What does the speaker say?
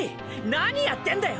何やってんだよ！！